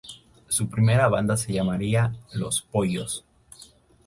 Su primera banda se llamaría Los Pollos.